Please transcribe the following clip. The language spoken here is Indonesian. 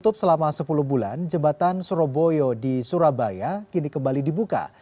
tutup selama sepuluh bulan jembatan surabaya di surabaya kini kembali dibuka